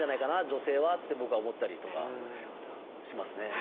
女性はって僕は思ったりとかしますね。